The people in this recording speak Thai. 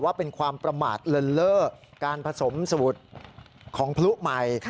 ว่าเป็นความประมาทเลินเล่อการผสมสมุดของพลุใหม่